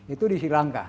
itu di sri lanka